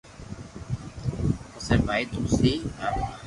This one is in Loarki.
پسي ڀائ تلسي آئيو